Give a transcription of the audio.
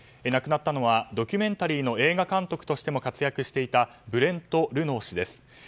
亡くなったのはドキュメンタリーの映画監督としても活躍していたブレント・ルノー氏です。